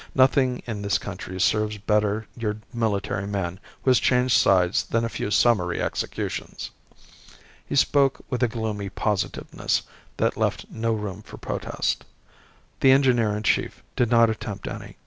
"Nothing in this country serves better your military man who has changed sides than a few summary executions." He spoke with a gloomy positiveness that left no room for protest. The engineer in chief did not attempt any.